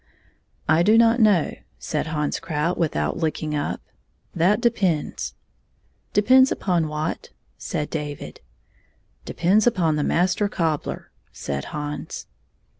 "I do not know," said Hans Krout, without looking up, "that depends." " Depends upon what ?" said David. " Depends upon the Master Cobbler," said Hans.